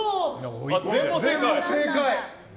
全問正解！